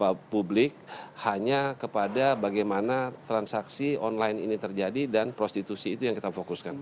dan juga untuk publik hanya kepada bagaimana transaksi online ini terjadi dan prostitusi itu yang kita fokuskan